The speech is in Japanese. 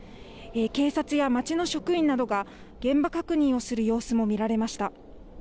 警察や町の職員などが現場確認をする様子も見られました。